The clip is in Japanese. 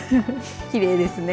きれいですね。